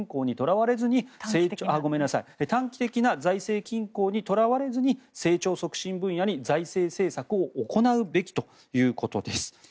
短期的な財政均衡にとらわれずに成長促進分野に財政政策を行うべきということです。